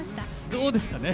どうですかね。